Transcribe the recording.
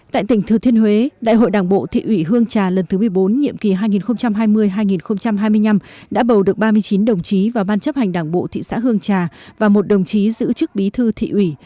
tại tỉnh thừa thiên huế đại hội đảng bộ thị ủy hương trà lần thứ một mươi bốn nhiệm kỳ hai nghìn hai mươi hai nghìn hai mươi năm đã bầu được ba mươi chín đồng chí vào ban chấp hành đảng bộ thị xã hương trà và một đồng chí giữ chức bí thư thị ủy